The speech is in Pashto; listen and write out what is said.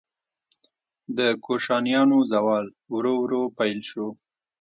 د کوشانیانو زوال ورو ورو پیل شو